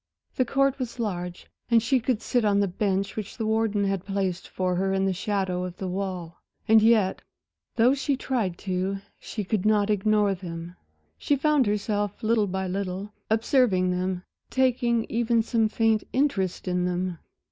The court was large, and she could sit on the bench which the warden had placed for her in the shadow of the wall. And yet, though she tried to, she could not ignore them; she found herself, little by little, observing them, taking even some faint interest in them.